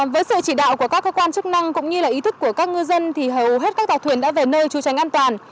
với sự chỉ đạo của các cơ quan chức năng cũng như ý thức của các ngư dân thì hầu hết các tàu thuyền đã về nơi trú tránh an toàn